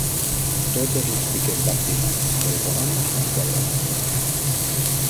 Totes les piques baptismals del romànic són quadrades.